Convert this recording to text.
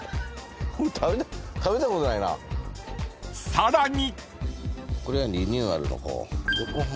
［さらに！］